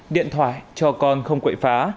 điện thoại cho con không quậy phá